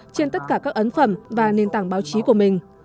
trên tất cả các ấn phẩm và nền tảng báo chí của mình